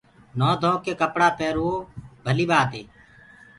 نهونٚ ڌوڪي ڪپڙآ پيروو ڀلي ٻآت هي